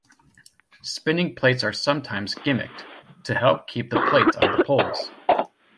Spinning plates are sometimes gimmicked, to help keep the plates on the poles.